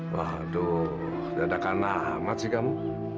waduh dada kanamat sih kamu